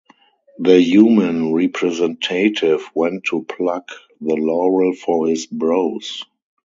The human representative went to pluck the laurel for his brows.